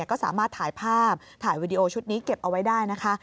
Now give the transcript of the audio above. ก็สามารถถ่ายภาพถ่ายวีดีโอชุดนี้เก็บเอาไว้ได้นะคะ